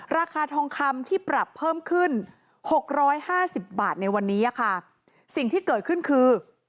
ราคาทองคำที่ปรับเพิ่มขึ้นหกร้อยห้าสิบบาทในวันนี้ค่ะสิ่งที่เกิดขึ้นคือ